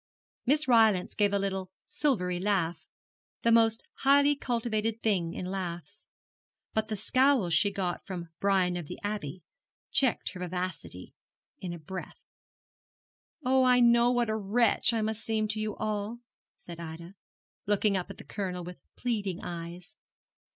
Miss Rylance gave a little silvery laugh the most highly cultivated thing in laughs but the scowl she got from Brian of the Abbey checked her vivacity in a breath. 'Oh, I know what a wretch I must seem to you all,' said Ida, looking up at the Colonel with pleading eyes.